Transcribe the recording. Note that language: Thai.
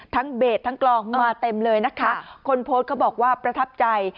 เบสทั้งกลองมาเต็มเลยนะคะคนโพสต์เขาบอกว่าประทับใจ